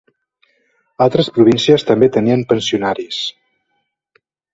Altres províncies també tenien pensionaris.